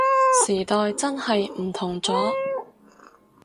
時代真係唔同咗